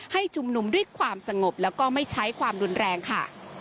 ให้ชุมนุมด้วยความสงบแล้วก็ไม่ใช้ความรุนแรงค่ะ